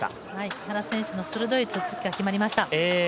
木原選手の鋭いツッツキが決まりました。